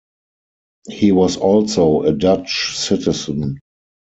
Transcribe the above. He was also a Dutch citizen.